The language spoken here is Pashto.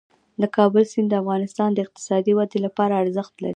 د کابل سیند د افغانستان د اقتصادي ودې لپاره ارزښت لري.